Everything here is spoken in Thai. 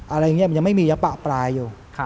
อะไรอย่างนี้มันยังไม่มียะปลายอยู่